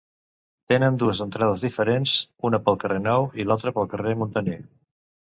Tenen dues entrades diferents, una pel carrer Nou i l'altra pel carrer Muntaner.